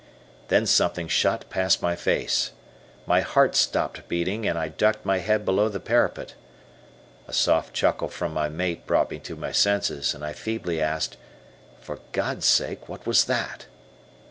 Then something shot past my face. My heart stopped beating, and I ducked my head below the parapet. A soft chuckle from my mate brought me to my senses, and I feebly asked, "For God's sake, what was that?"